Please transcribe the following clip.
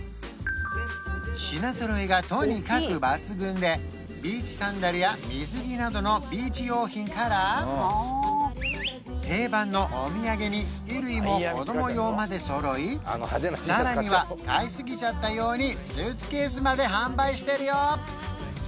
品揃えがとにかく抜群でビーチサンダルや水着などのビーチ用品から定番のお土産に衣類も子供用まで揃いさらには買いすぎちゃった用にスーツケースまで販売してるよ